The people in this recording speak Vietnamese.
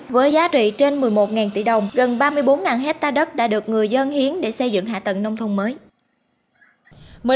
với giá trị trên một mươi một tỷ đồng gần ba mươi bốn hectare đất đã được người dân hiến để xây dựng hạ tầng nông thôn mới